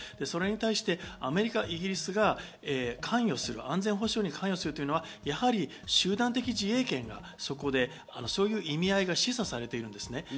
それに対してアメリカ、イギリスが関与する、安全保障に関与するというのはやはり集団的自衛権がそこで、そういう意味合いが示唆されているんですね。